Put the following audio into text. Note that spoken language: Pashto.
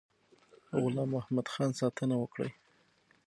غلام محمدخان ساتنه وکړي.